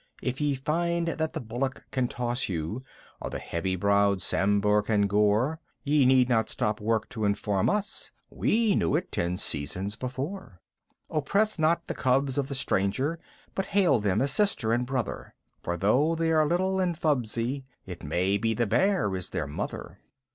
If ye find that the Bullock can toss you, or the heavy browed Sambhur can gore; Ye need not stop work to inform us: we knew it ten seasons before. Oppress not the cubs of the stranger, but hail them as Sister and Brother, For though they are little and fubsy, it may be the Bear is their mother.